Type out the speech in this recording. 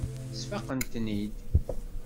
Sfaqeɣ-ten-id.